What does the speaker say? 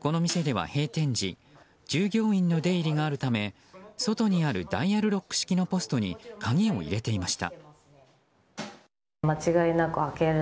この店では閉店時従業員の出入りがあるため外にあるダイヤルロック式のポストに鍵を入れていました。